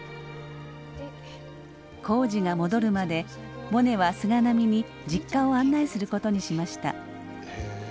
耕治が戻るまでモネは菅波に実家を案内することにしました。